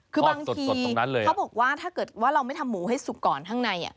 คือบางทีเขาบอกว่าถ้าเกิดว่าเราไม่ทำหมูให้สุกก่อนข้างใน